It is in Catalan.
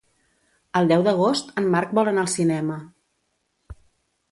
El deu d'agost en Marc vol anar al cinema.